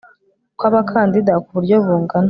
kw abakandida ku buryo bungana